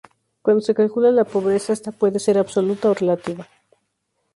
Cuando se calcula la pobreza esta puede ser absoluta o relativa.